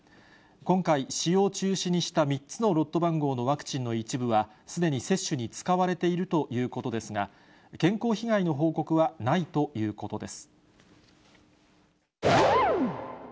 今回、使用中止にした３つのロット番号のワクチンの一部はすでに接種に使われているということですが、健康被害の報告はないということです。